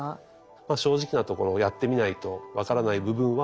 まあ正直なところやってみないと分からない部分はあります。